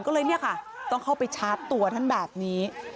ก็เลยเนี่ยค่ะต้องเข้าไปชาร์จตัวท่านแบบนี้